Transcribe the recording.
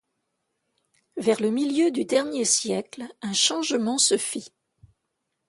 Vers le milieu du dernier siècle, un changement se fit.